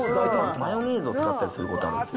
マヨネーズを使ったりすることはあるんです。